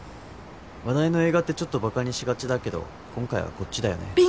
話題の映画ってちょっとバカにしがちだけど今回はこっちだよね。